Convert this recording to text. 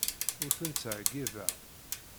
Ur ten-ttɛeyyibeɣ.